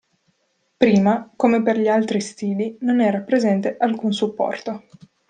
Prima, come per gli altri stili, non era presente alcun supporto.